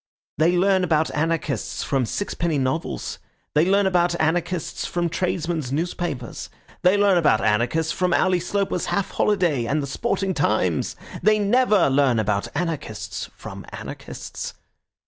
They learn about anarchists from sixpenny novels; they learn about anarchists from tradesmen's newspapers; they learn about anarchists from Ally Sloper's Half Holiday and the Sporting Times. They never learn about anarchists from anarchists.